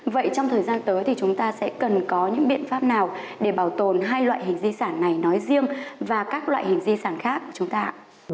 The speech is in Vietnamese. vậy trong thời gian tới thì chúng ta sẽ cần có những biện pháp nào để bảo tồn hai loại hình di sản này nói riêng và các loại hình di sản khác của chúng ta